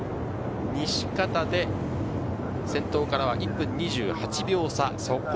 西方で先頭からは１分２８秒差。